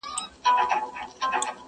نسته څوک د رنځ طبیب نه د چا د زړه حبیب؛